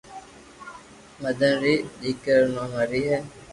مدن ري دآڪرا نوم ھري ھي